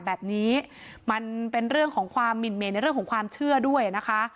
แบบนี้มันเป็นเรื่องของความหมินเมนในเรื่องของความเชื่อด้วยนะคะ